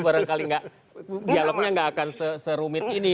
barangkali dialognya nggak akan serumit ini